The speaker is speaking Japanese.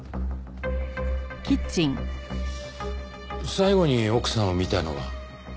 最後に奥さんを見たのは？